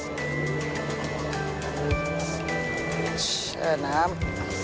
เซอร์น้ำ